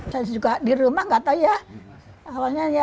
saya juga di rumah nggak tahu ya